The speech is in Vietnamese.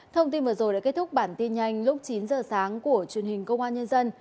thông tin vừa rồi đã kết thúc bản tin nhanh lúc chín giờ sáng của truyền hình công an nhân dân